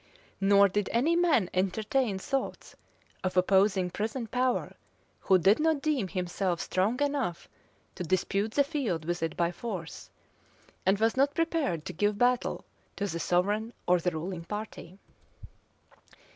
Nor did any man entertain thoughts of opposing present power, who did not deem himself strong enough to dispute the field with it by force, and was not prepared to give battle to the sovereign or the ruling party.